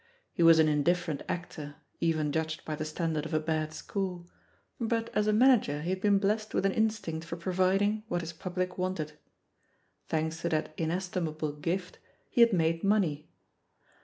He was an indiflferent actor, even judged by the standard of a bad school, but as a manager he had been blessed with an instinct for providing what his public wanted. Thanks to that ines timable gift, he had made money.